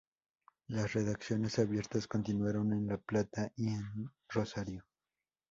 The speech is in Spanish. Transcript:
Las redacciones abiertas continuaron en La Plata, y en Rosario.